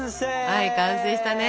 はい完成したね。